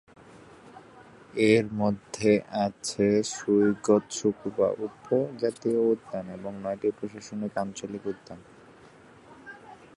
এর মধ্যে আছে সুইগো-ৎসুকুবা উপ-জাতীয় উদ্যান এবং নয়টি প্রশাসনিক আঞ্চলিক উদ্যান।